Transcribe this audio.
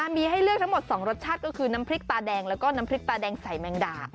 มีให้เลือกทั้งหมด๒รสชาติก็คือน้ำพริกตาแดงแล้วก็น้ำพริกตาแดงใส่แมงดา